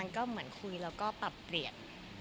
ก็เหมือนคุยแล้วก็ปรับเปลี่ยน